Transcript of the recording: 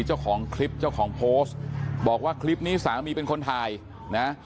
เจ้าของคลิปเจ้าของโพสต์บอกว่าคลิปนี้สามีเป็นคนถ่ายนะ